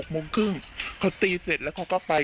โมงครึ่งเขาตีเสร็จแล้วเขาก็ไป